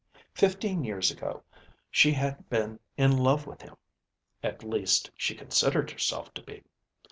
Fifteen years ago she had been in love with him at least she considered herself to be.